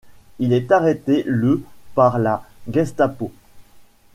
Il est arrêté le par la Gestapo.